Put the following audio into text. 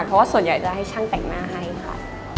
เพราะว่าส่วนใหญ่จะให้ช่างแต่งหน้าให้ค่ะ